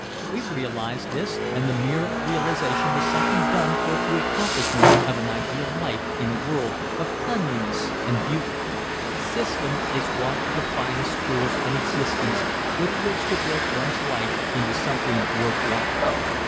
We realize this and the mere realization is something done towards the accomplishment of an ideal life in a world of cleanliness and beauty. System is one of the finest tools in existence with which to build one's life into something worth while.